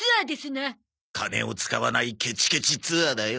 金を使わないケチケチツアーだよ。